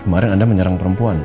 kemarin anda menyerang perempuan